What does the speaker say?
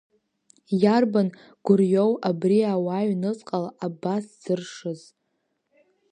Иарбан гәырҩоу абри ауа ҩныҵҟала абас дзыршыз?